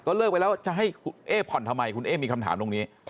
เลิกไปแล้วจะให้คุณเอ๊ผ่อนทำไมคุณเอ๊มีคำถามตรงนี้